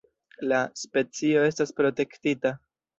La specio estas protektita.